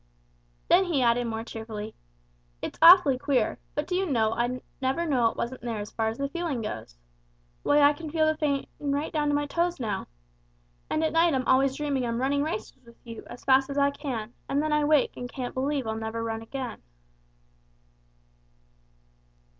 Then he added more cheerfully, "It's awfully queer, but do you know I'd never know it wasn't there as far as the feeling goes. Why I can feel the pain right down to my toes now. And at night I'm always dreaming I'm running races with you as fast as I can, and then I wake and can't believe I'll never run again."